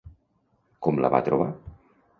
Com la va trobar?